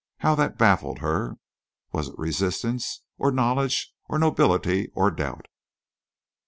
How that baffled her! Was it resistance or knowledge or nobility or doubt?